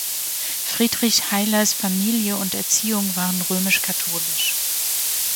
Friedrich Heilers Familie und Erziehung waren römisch-katholisch.